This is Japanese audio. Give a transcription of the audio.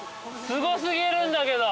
すご過ぎるんだけど。